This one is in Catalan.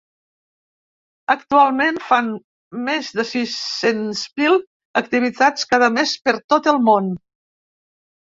Actualment fan més de sis-cents mil activitats cada mes per tot el món.